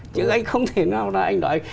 chứ anh không thể nào là anh nói